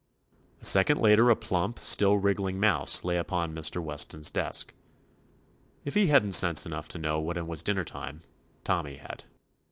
A second later a plump, still wrig gling mouse lay upon Mr. Weston's desk. If he had n't sense enough to know when it was dinner time, Tommy had.